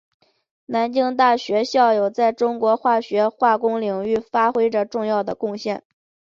南京大学校友在中国化学化工领域发挥着重要的贡献。